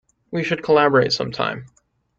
We should collaborate sometime.